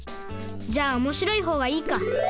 じゃあおもしろいほうがいいか。